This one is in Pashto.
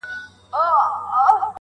د کنفرانس د شروع په ورځ